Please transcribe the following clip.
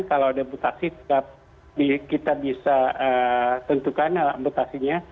kalau ada mutasi tetap kita bisa tentukan mutasinya